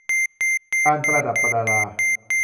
การประดับประดา